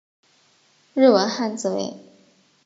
日文汉字为。